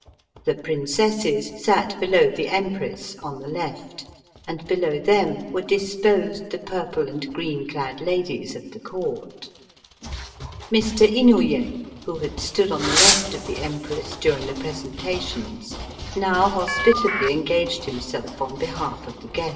The prin cesses sat below the Empress, on the left, and below them were disposed the purple and green clad ladies of the Court. Mr. Inouye, who had stood on the left of the Empress during the presentations, now hospit ably engaged himself on behalf of the guests.